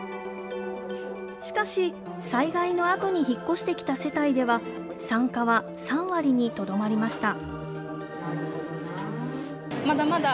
しかし、災害のあとに引っ越してきた世帯では、参加は３割にとどまりました。